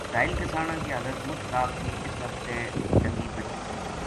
اسرائیل کسانا کی حالت مُچ خراب تھی اس واسطے ڈَنگی بَدھی